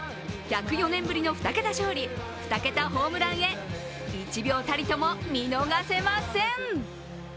１０４年ぶりの２桁勝利・２桁ホームランへ１秒たりとも見逃せません！